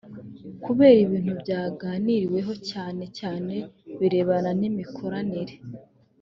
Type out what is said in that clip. kubera ibintu byaganiriweho cyane cyane birebana n’imikoranire